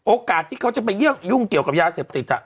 โอกาสที่เขาจะไปยุ่งเกี่ยวกับยาเสพติด